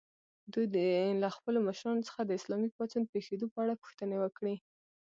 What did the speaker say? دوی دې له خپلو مشرانو څخه د اسلامي پاڅون پېښېدو په اړه پوښتنې وکړي.